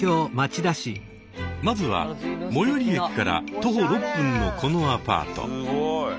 まずは最寄り駅から徒歩６分のこのアパート。